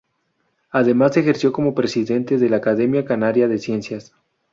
Además ejerció como Presidente de la Academia Canaria de Ciencias.